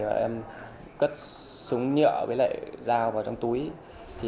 và em cất súng nhựa với lại dao vào trong túi